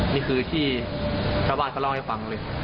นี่คือที่ชาวบ้านเขาเล่าให้ฟังเลย